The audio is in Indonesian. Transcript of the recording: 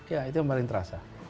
ya itu yang paling terasa